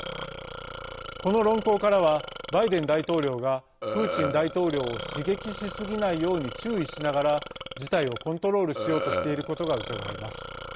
この論考からはバイデン大統領がプーチン大統領を刺激しすぎないように注意しながら事態をコントロールしようとしていることがうかがえます。